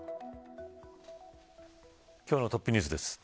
今日のトップニュースです。